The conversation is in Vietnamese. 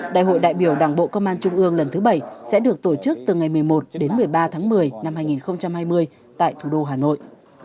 đại hội đại biểu đảng bộ công an trung ương lần thứ bảy sẽ được tổ chức từ ngày một mươi một đến một mươi ba tháng một mươi năm hai nghìn hai mươi tại thủ đô hà nội